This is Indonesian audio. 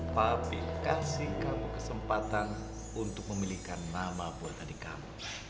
tapi kasih kamu kesempatan untuk memilihkan nama buat adik kamu